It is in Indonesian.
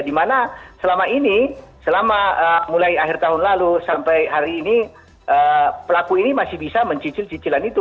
dimana selama ini selama mulai akhir tahun lalu sampai hari ini pelaku ini masih bisa mencicil cicilan itu